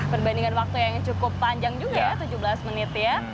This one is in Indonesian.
perbandingan waktu yang cukup panjang juga ya tujuh belas menit ya